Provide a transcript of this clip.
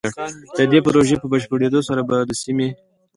د دې پروژې په بشپړېدو سره به د سيمې